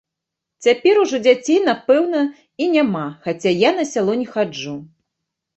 Цяпер ужо дзяцей, напэўна, і няма, хаця я на сяло не хаджу.